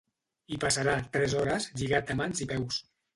Hi passarà tres hores lligat de mans i peus.